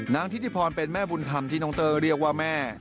นางทิศิพรเป็นแม่บุญคำที่น้องเต้เรียกว่าแม่